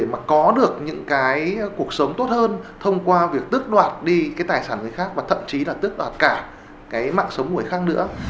mà còn gây nguy hiểm đến tính mạng của các nạn nhân